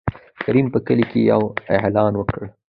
کريم په کلي کې يې اعلان وکړ.